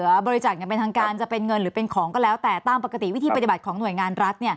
บริจาคอย่างเป็นทางการจะเป็นเงินหรือเป็นของก็แล้วแต่ตามปกติวิธีปฏิบัติของหน่วยงานรัฐ